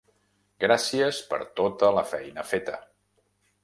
Gràcies per tota la feina feta.